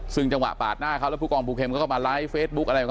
ซึ่งจังหวะปากหน้าเขาแล้วภูกองภูเขมเขาก็มาไลฟ์เฟสบุ๊ค